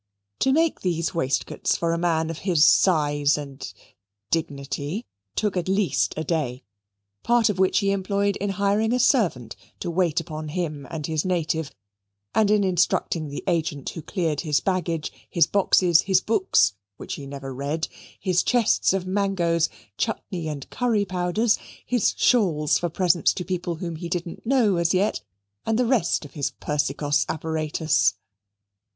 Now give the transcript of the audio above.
To make these waistcoats for a man of his size and dignity took at least a day, part of which he employed in hiring a servant to wait upon him and his native and in instructing the agent who cleared his baggage, his boxes, his books, which he never read, his chests of mangoes, chutney, and curry powders, his shawls for presents to people whom he didn't know as yet, and the rest of his Persicos apparatus.